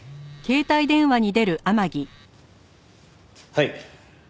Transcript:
はい。